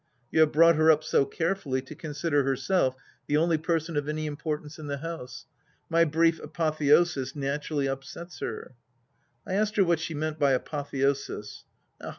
You have brought her up so carefully to consider herself the only person of any importance in the house ; my brief apotheosis naturally upsets her." I asked her what she meant by apotheosis.